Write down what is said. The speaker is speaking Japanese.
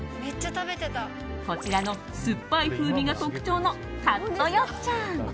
こちらの酸っぱい風味が特徴のカットよっちゃん。